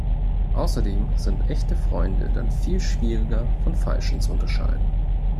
Außerdem sind echte Freunde dann viel schwieriger von falschen zu unterscheiden.